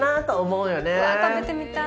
うわ食べてみたい。